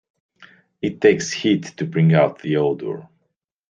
It takes heat to bring out the odor.